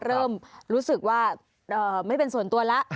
เริ่มรู้สึกว่าไม่เป็นส่วนตัวแล้ว